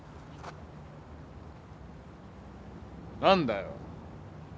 何だよ？